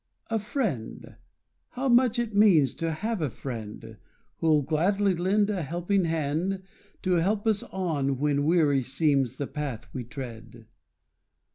A friend how much it means To have a friend Who'll gladly lend A helping hand to help us on When weary seems the path we tread.